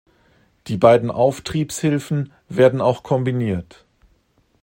Die beiden Auftriebshilfen werden auch kombiniert.